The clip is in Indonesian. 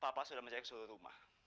papa sudah mencari seluruh rumah